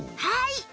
はい。